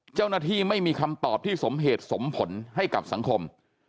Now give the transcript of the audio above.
เจ้าหน้าที่ไม่มีคำตอบที่สมเหตุสมผลให้กับสังคม